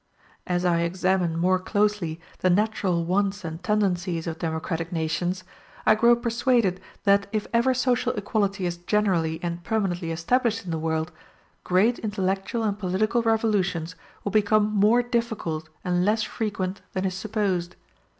As I examine more closely the natural wants and tendencies of democratic nations, I grow persuaded that if ever social equality is generally and permanently established in the world, great intellectual and political revolutions will become more difficult and less frequent than is supposed.